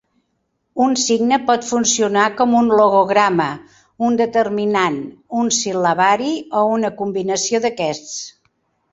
Un signe pot funcionar com un logograma, un determinant, un sil·labari, o una combinació d'aquests.